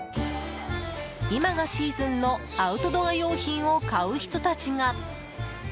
今がシーズンのアウトドア用品を買う人たちが。